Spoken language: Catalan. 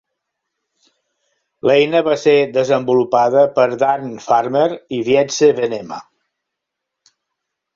L'eina va ser desenvolupada per Dan Farmer i Wietse Venema.